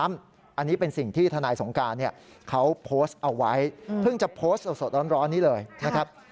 อันนี้เป็นสิ่งที่ทนายสงการเขาโพสต์เอาไว้เพิ่งจะโพสต์สดร้อนนี้เลยนะครับ